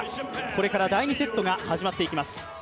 これから第２セットが始まっていきます。